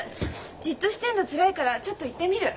じっとしてんのつらいからちょっと行ってみる。